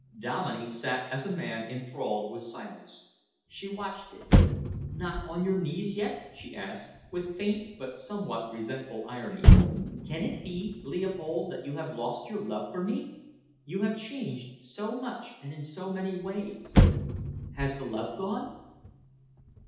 Dominey sat as a man enthralled with silence. She watched him. "Not on your knees yet?" she asked, with faint but somewhat resentful irony. "Can it be, Leopold, that you have lost your love for me? You have changed so much and in so many ways. Has the love gone?"